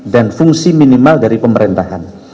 dan fungsi minimal dari pemerintahan